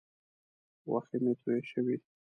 غوښې مې تویې شوې.